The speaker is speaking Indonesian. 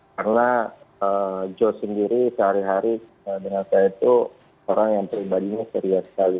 karena joe sendiri sehari hari dengan saya itu orang yang pribadi serius sekali